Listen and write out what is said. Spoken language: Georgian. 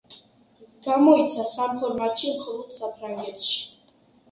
გამოიცა სამ ფორმატში მხოლოდ საფრანგეთში.